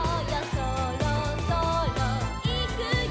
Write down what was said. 「そろそろいくよ」